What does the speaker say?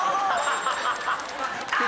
ハハハハ！